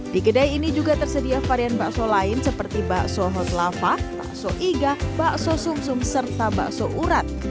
di kedai ini juga tersedia varian bakso lain seperti bakso hot lava bakso iga bakso sum sum serta bakso urat